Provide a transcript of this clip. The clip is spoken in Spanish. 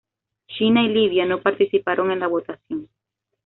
China y Libia no participaron en la votación.